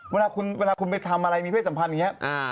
เวลาคุณไปทำอะไรมีเพศสัมพันธ์อย่างนี้